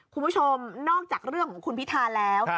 คุณผู้ชมนอกจากเรื่องของคุณพิธาแล้ว